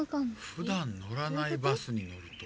ふだん乗らないバスにのると。